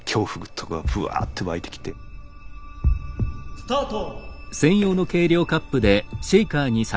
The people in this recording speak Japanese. スタート。